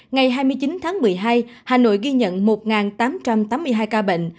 ngày hai mươi chín tháng một mươi hai hà nội ghi nhận một tám trăm tám mươi hai ca bệnh